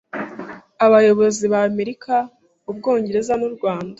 abayobozi b’Amerika, Ubwongereza n’u Rwanda